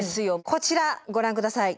こちらご覧ください。